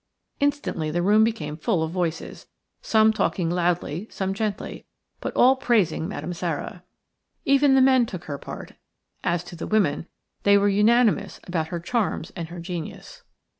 Instantly the room became full of voices, some talking loudly, some gently, but all praising Madame Sara. Even the men took her part; as to the women, they were unanimous about her charms and her genius.